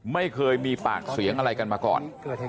ไม่เคยมีปากเสียงอะไรกันมาก่อน